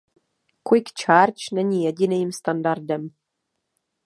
Quick Charge není jediným standardem.